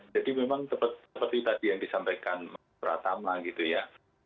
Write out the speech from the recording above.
jadi memang seperti tadi yang disampaikan pak pratama gitu ya